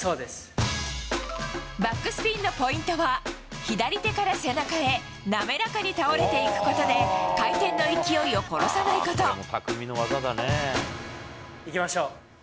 バックスピンのポイントは左手から背中へ滑らかに倒れていくことで回転の勢いを殺さないこと。